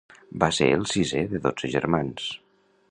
Va ser el sisé de dotze germans.